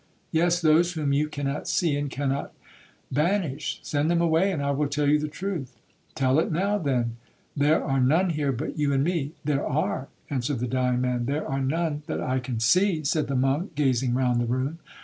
'—'Yes, those whom you cannot see, and cannot banish,—send them away, and I will tell you the truth.'—'Tell it now, then; there are none here but you and me.'—'There are,' answered the dying man. 'There are none that I can see,' said the monk, gazing round the room.